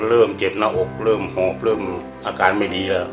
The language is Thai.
เริ่มเจ็บหน้าอกเริ่มหอบเริ่มอาการไม่ดีแล้ว